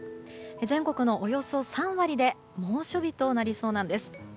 全国のおよそ３割で猛暑日となりそうなんです。